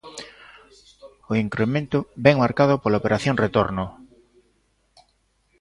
O incremento vén marcado pola operación retorno.